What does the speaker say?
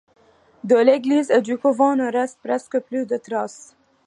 De l'église et du couvent ne restent presque plus de traces.